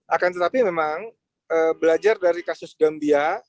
akan tetapi memang belajar dari kasus gambia